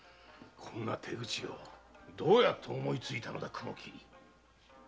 こんな手口をどうやって思いついたのだ雲切？